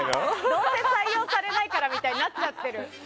どうせ採用されないからみたいになっちゃってる。